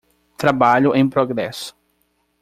Trabalho em progresso.